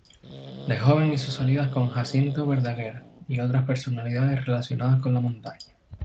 De joven hizo salidas con Jacinto Verdaguer y otras personalidades relacionadas con la montaña.